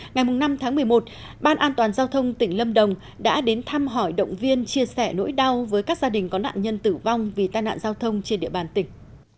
ngày năm tháng một mươi một ban an toàn giao thông tỉnh lâm đồng đã đến thăm hỏi động viên chia sẻ nỗi đau với các gia đình có nạn nhân tử vong vì tai nạn giao thông trên địa bàn tỉnh